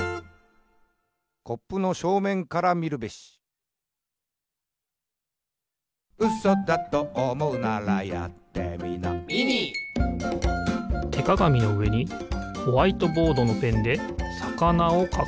「コップのしょうめんからみるべし。」てかがみのうえにホワイトボードのペンでさかなをかく。